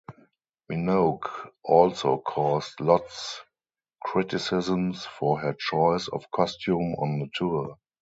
Minogue also caused lots criticisms for her choice of costume on the tour.